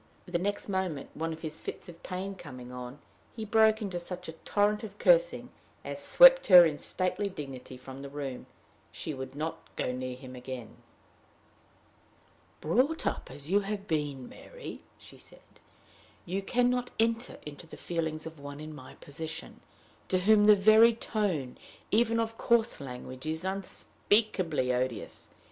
The next moment, one of his fits of pain coming on, he broke into such a torrent of cursing as swept her in stately dignity from the room. She would not go near him again. "Brought up as you have been, Mary," she said, "you can not enter into the feelings of one in my position, to whom the very tone even of coarse language is unspeakably odious.